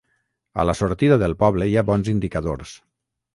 A la sortida del poble hi ha bons indicadors.